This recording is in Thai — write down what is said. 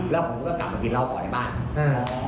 แล้วผมก็กลับมากินเหล้าเคราะห์ในบ้าน